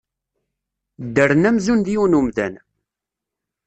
Ddren amzun d yiwen umdan.